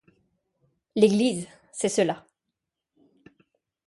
L’église! c’est cela.